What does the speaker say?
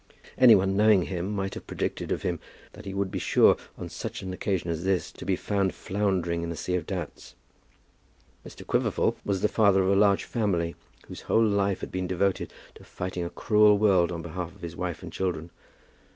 Any one knowing him might have predicted of him that he would be sure on such an occasion as this to be found floundering in a sea of doubts. Mr. Quiverful was the father of a large family, whose whole life had been devoted to fighting a cruel world on behalf of his wife and children.